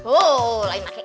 oh lain pakai